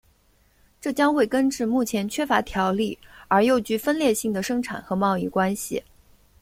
这将会根治目前缺乏条理而又具分裂性的生产和贸易关系。